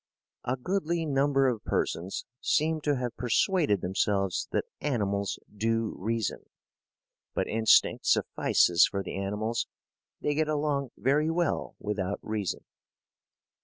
"A goodly number of persons seem to have persuaded themselves that animals do reason." "But instinct suffices for the animals ... they get along very well without reason."